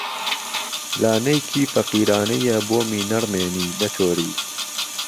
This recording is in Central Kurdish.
لانەیکی فەقیرانەیە بۆمی نەڕمێنی، نەتۆری